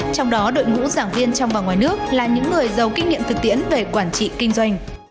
trong đó đội ngũ giảng viên trong và ngoài nước là những người giàu kinh nghiệm thực tiễn về quản trị kinh doanh